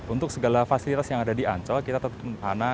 untuk segala fasilitas yang ada di ancol kita tetap menahan